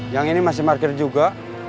yang ini masih parkir juga